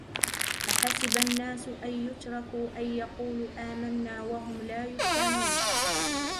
أحسب الناس أن يتركوا أن يقولوا آمنا وهم لا يفتنون